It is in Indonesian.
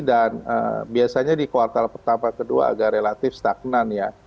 dan biasanya di kuartal pertama kedua agak relatif stagnan ya